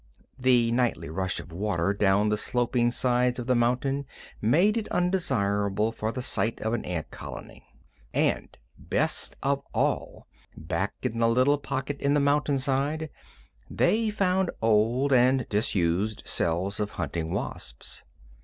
(The nightly rush of water down the sloping sides of the mountain made it undesirable for the site of an ant colony.) And best of all, back in the little pocket in the mountainside, they found old and disused cells of hunting wasps.